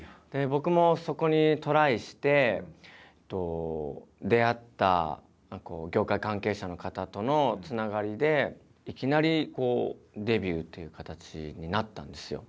僕もそこにトライして出会った業界関係者の方とのつながりでいきなりデビューっていう形になったんですよ。